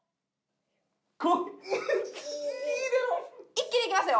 一気にいきますよ！